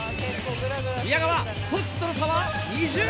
宮川トップとの差は２０ｍ。